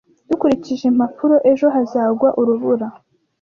Dukurikije impapuro, ejo hazagwa urubura.